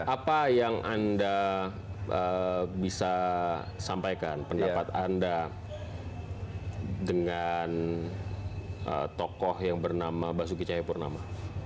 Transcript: apa yang anda bisa sampaikan pendapat anda dengan tokoh yang bernama basuki cahayapurnama